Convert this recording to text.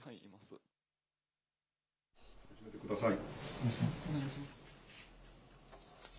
始めてください。